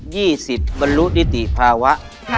ยี่สิบบรรลุนิติภาวะ